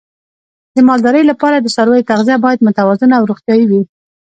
د مالدارۍ لپاره د څارویو تغذیه باید متوازنه او روغتیايي وي.